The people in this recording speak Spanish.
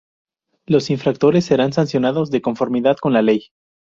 Los infractores serán sancionados de conformidad con la ley.